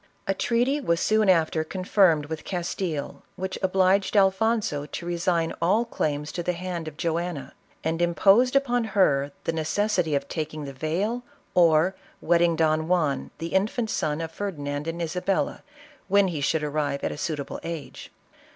A treat3r was soon after con firmed with Castile which obliged Alfonso to resign all claims to the hand of Joanna, and imposed upon her the necessity of taking the veil, or wedding Don Juan the infant son of Ferdi nand and Isabella, when he should arrive at a suitable age.